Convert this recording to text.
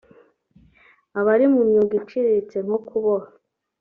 abari mu myuga iciriritse nko kuboha